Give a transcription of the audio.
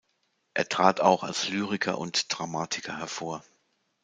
Er trat auch als Lyriker und Dramatiker hervor.